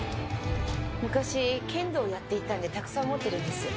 昔剣道をやっていたんでたくさん持ってるんです。